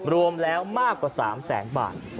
รวมแล้วมากกว่า๓แสนบาท